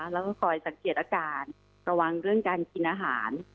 แล้วก็คอยสังเกตอาการระวังเรื่องการกินอาหาร